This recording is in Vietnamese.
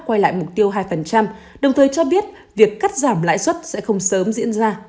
quay lại mục tiêu hai đồng thời cho biết việc cắt giảm lãi suất sẽ không sớm diễn ra